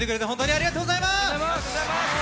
ありがとうございます！